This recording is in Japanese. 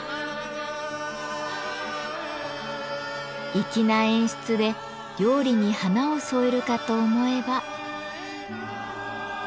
粋な演出で料理に華を添えるかと思えば。